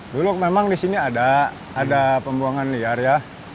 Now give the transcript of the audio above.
dulu memang di sini ada pembuangan liar ya